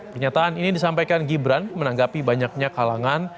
kenyataan ini disampaikan gibran menanggapi banyaknya kalangan